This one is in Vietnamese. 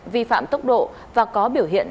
vi phạm tốc độ và có biểu hiện